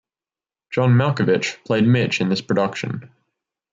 John Malkovich played Mitch in this production.